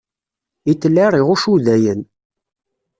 Hitler iɣuc Udayen.